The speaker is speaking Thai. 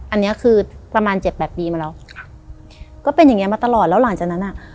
อันนี้คือประมาณเจ็ดแปดปีมาแล้วครับก็เป็นอย่างเงี้มาตลอดแล้วหลังจากนั้นอ่ะ